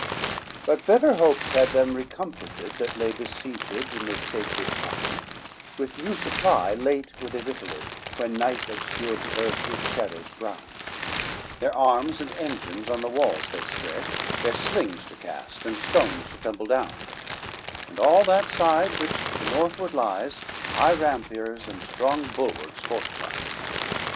I But better hopes had them recomforted That lay besieged in the sacred town; With new supply late were they victualled, When night obscured the earth with shadows brown; Their armes and engines on the walls they spread, Their slings to cast, and stones to tumble down; And all that side which to the northward lies, High rampiers and strong bulwarks fortifies.